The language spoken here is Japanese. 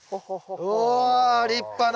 うお立派な。